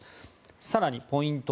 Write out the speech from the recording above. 更に、ポイント